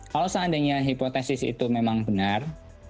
kalau seandainya hipotesis itu memang benar